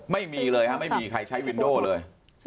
ไม่มีเลยฮะไม่มีใครใช้วินโดเลย